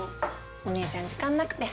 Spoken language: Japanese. お姉ちゃん時間なくて。